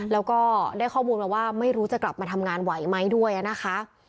แล้วก็ได้ข้อมูลมาว่าไม่รู้จะกลับมาทำงานไหวไหมด้วยนะคะ